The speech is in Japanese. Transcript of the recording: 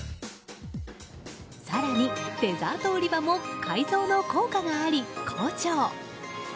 更に、デザート売り場も改造の効果があり好調。